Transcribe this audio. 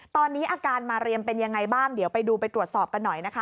ตอนนี้อาการมาเรียมเป็นยังไงบ้างเดี๋ยวไปดูไปตรวจสอบกันหน่อยนะคะ